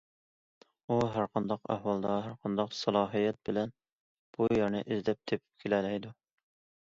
ئۇ ھەرقانداق ئەھۋالدا، ھەرقانداق سالاھىيەت بىلەن بۇ يەرنى ئىزدەپ تېپىپ كېلەلەيدۇ.